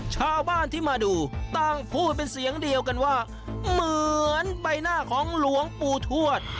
ชาวบ้านที่มาดูต่างพูดเป็นเสียงเดียวกันว่าเหมือนใบหน้าของหลวงปู่ทวด